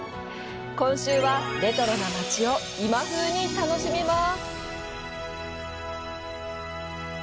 今週はレトロな街を今風に楽しみます！